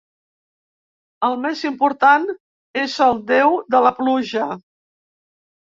El més important és el déu de la pluja.